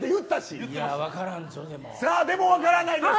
でも分からないです。